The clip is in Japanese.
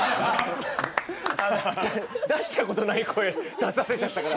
出したことない声出させちゃったから。